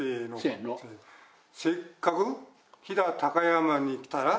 「せっかく飛騨高山に来たら」